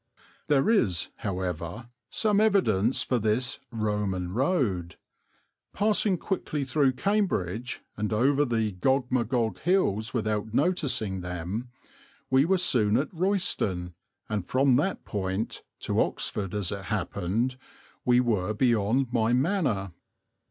There is, however, some evidence for this "Roman" road. Passing quickly through Cambridge and over the Gog Magog Hills without noticing them, we were soon at Royston, and from that point to Oxford as it happened we were beyond my manor.